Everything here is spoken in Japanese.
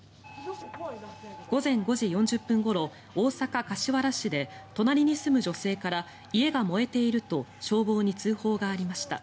午前５時４０分ごろ大阪・柏原市で隣に住む女性から家が燃えていると消防に通報がありました。